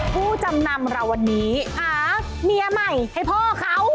ผู้จำนำเราวันนี้หาเมียใหม่ให้พ่อเขา